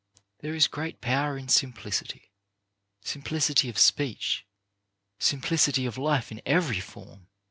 There is great power in simplicity, simplicity of speech, simplicity of life in every form.